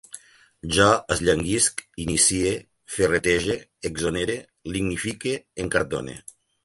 Jo esllanguisc, inicie, ferretege, exonere, lignifique, encartone